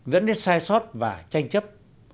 dẫn đến sai sót và tranh chấp